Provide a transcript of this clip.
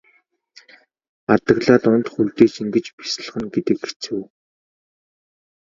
Адаглаад унтах үедээ ч ингэж бясалгана гэдэг хэцүү.